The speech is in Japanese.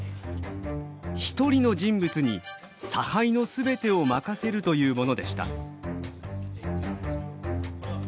１人の人物に差配の全てを任せるというものでした。